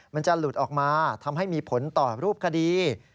มันจะหลุดออกมาทำให้มีผลต่อรูปคดี